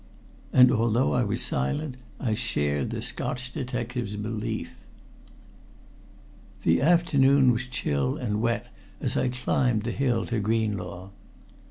And although I was silent, I shared the Scotch detective's belief. The afternoon was chill and wet as I climbed the hill to Greenlaw.